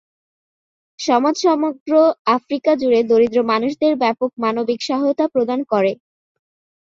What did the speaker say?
সমাজ সমগ্র আফ্রিকা জুড়ে দরিদ্র মানুষদের ব্যাপক মানবিক সহায়তা প্রদান করে।